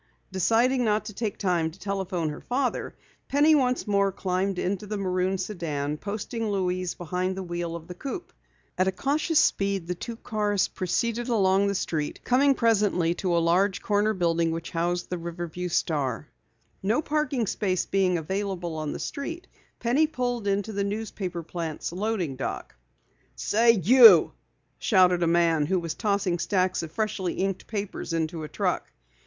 Deciding not to take time to telephone her father, Penny once more climbed into the maroon sedan, posting Louise behind the wheel of the coupe. At a cautious speed the two cars proceeded along the street, coming presently to a large corner building which housed the Riverview Star. No parking space being available on the street, Penny pulled into the newspaper plant's loading dock. "Say, you!" shouted a man who was tossing stacks of freshly inked papers into a truck.